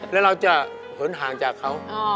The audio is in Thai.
แล้วเราจะหนห่างจากเขา